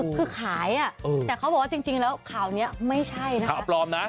คือขายอ่ะแต่เขาบอกว่าจริงแล้วข่าวนี้ไม่ใช่นะคะ